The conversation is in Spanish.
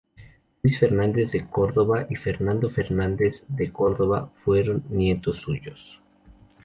Luis Fernández de Córdova y Fernando Fernández de Córdova fueron nietos suyos.